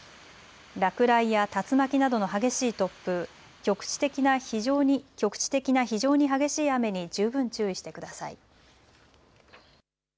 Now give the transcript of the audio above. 落雷や竜巻などの激しい突風、局地的な非常に激しい雨に十分注意してください。